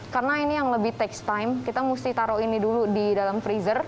karena ini yang lebih takes time kita mesti taruh ini dulu di dalam freezer